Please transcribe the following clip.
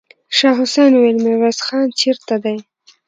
شاه حسين وويل: ميرويس خان چېرته دی؟